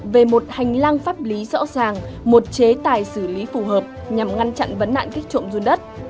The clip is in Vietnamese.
về một hành lang pháp lý rõ ràng một chế tài xử lý phù hợp nhằm ngăn chặn vấn nạn kích trộm run đất